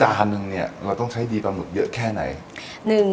จานนึงเนี่ยเราต้องใช้ดีปลาหมึกเยอะแค่ไหน